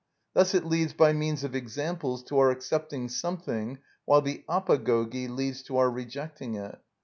Thus it leads by means of examples to our accepting something while the απαγωγη leads to our rejecting it.